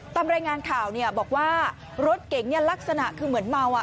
ตามรายงานข่าวเนี่ยบอกว่ารถเก๋งเนี่ยลักษณะคือเหมือนเมาอ่ะ